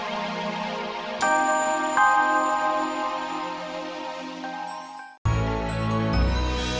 terima kasih tuhan